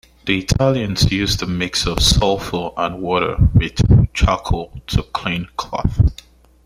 The Italians used a mix of sulfur and water with charcoal to clean cloth.